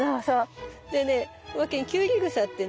でねおまけにキュウリグサってね